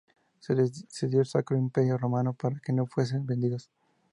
Se les cedió al Sacro Imperio Romano para que no fuesen vendidos.